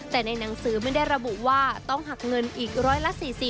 แต่ในหนังสือไม่ได้ระบุว่าต้องหักเงินอีกร้อยละ๔๐